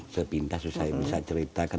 sepintas saya bisa ceritakan